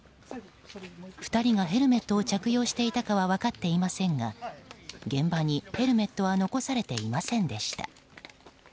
２人がヘルメットを着用していたかは分かっていませんが現場にヘルメットは残されていませんでした。